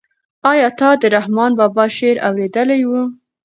آیا تا د رحمان بابا شعر اورېدلی و؟